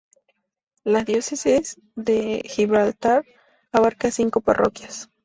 La diócesis de Gibraltar abarca cinco parroquias.